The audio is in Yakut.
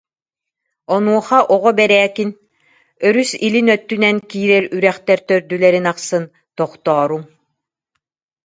Онуоха Оҕо Бэрээкин: «Өрүс илин өттүнэн киирэр үрэхтэр төрдүлэрин ахсын тохтооруҥ»